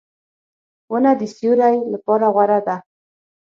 • ونه د سیوری لپاره غوره ده.